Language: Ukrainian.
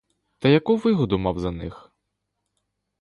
Та яку вигоду мав за них?